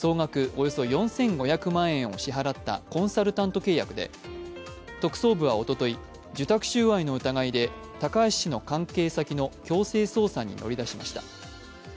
およそ４５００万円を支払ったコンサルタント契約で特捜部はおととい、受託収賄の疑いで高橋氏の関係先の強制捜査に乗り出しました。